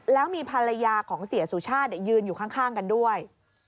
แล้วมีภรรยาของเสียสุชาติยืนอยู่ข้างกันด้วย